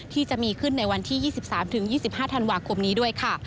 ที่จะมีขึ้นในวันที่๒๓๒๕ธันวาคมนี้ด้วยค่ะ